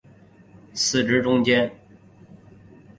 司职中坚。